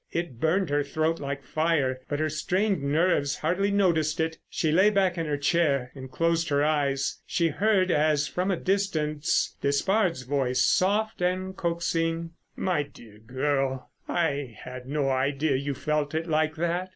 It burned her throat like fire, but her strained nerves hardly noticed it. She lay back in her chair and closed her eyes. She heard, as from a distance, Despard's voice, soft and coaxing. "My dear little girl, I had no idea you felt it like that.